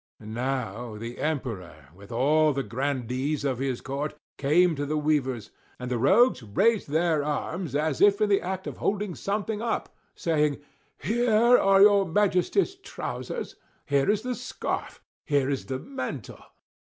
And now the Emperor, with all the grandees of his court, came to the weavers; and the rogues raised their arms, as if in the act of holding something up, saying, "Here are your Majesty's trousers! Here is the scarf! Here is the mantle!